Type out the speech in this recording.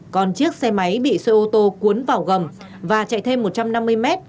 còn chiếc xe máy bị xe ô tô cuốn vào gầm và chạy thêm một trăm năm mươi mét